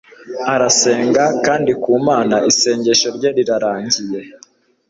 arasenga, kandi ku mana isengesho rye rirarangiye